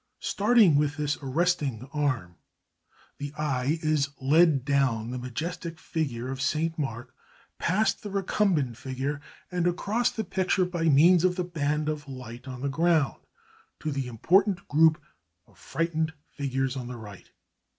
Starting with this arresting arm, the eye is led down the majestic figure of St. Mark, past the recumbent figure, and across the picture by means of the band of light on the ground, to the important group of frightened figures on the right.